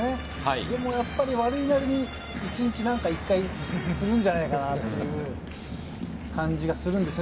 でも悪いなりに、一日１回するんじゃないかなっていう感じがするんですよ。